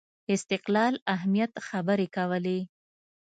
استقلال اهمیت خبرې کولې